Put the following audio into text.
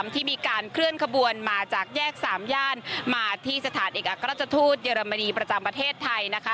ที่มีการเคลื่อนขบวนมาจากแยก๓ย่านมาที่สถานเอกอัครราชทูตเยอรมนีประจำประเทศไทย